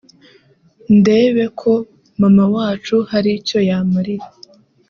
ndebe ko mama wacu hari icyo yamarira